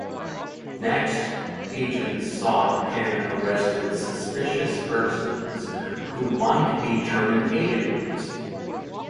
Next, agents sought and arrested "suspicious persons" who might be German agents.